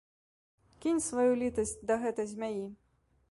Кінь сваю літасць да гэтай змяі.